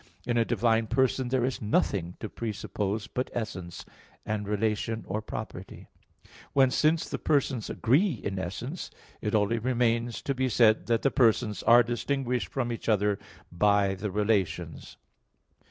In a divine person there is nothing to presuppose but essence, and relation or property. Whence, since the persons agree in essence, it only remains to be said that the persons are distinguished from each other by the relations.